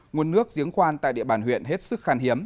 nguồn nước giếng khoan tại địa bàn huyện hết sức khan hiếm